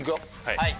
はい。